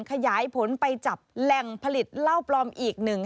ขยายผลไปจับแหล่งผลิตเหล้าปลอมอีกหนึ่ง